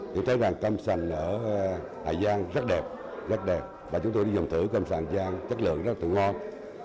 cam xanh ở hà giang rất đẹp và chúng tôi đi dùng thử cam xanh hà giang chất lượng rất thơm ngon